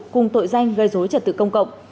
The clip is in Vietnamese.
cùng tội danh gây dối trật tự công cộng